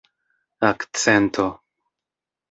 akcento